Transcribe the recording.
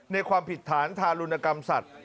ความผิดฐานทารุณกรรมสัตว์